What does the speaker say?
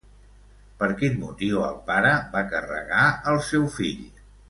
Per quin motiu el pare va carregar el seu fill?